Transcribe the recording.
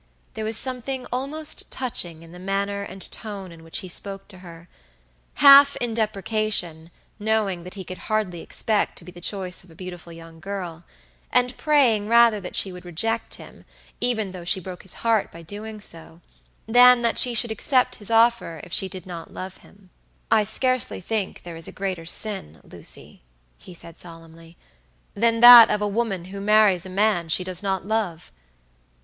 There was something almost touching in the manner and tone in which he spoke to herhalf in deprecation, knowing that he could hardly expect to be the choice of a beautiful young girl, and praying rather that she would reject him, even though she broke his heart by doing so, than that she should accept his offer if she did not love him. "I scarcely think there is a greater sin, Lucy," he said, solemnly, "than that of a woman who marries a man she does not love.